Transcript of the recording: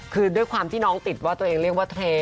คือด้วยความที่น้องติดว่าตัวเองเรียกว่าเท